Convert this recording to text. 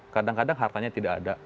kadang kadang hartanya tidak ada